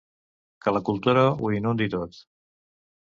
Que la cultura ho inundi tot!